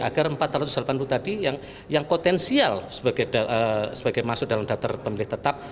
agar empat ratus delapan puluh tadi yang potensial sebagai masuk dalam daftar pemilih tetap